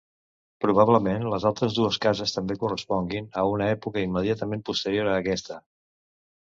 Probablement les altres dues cases també corresponguin a una època immediatament posterior a aquesta.